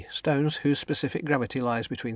Stones whose specific gravity lies between 2.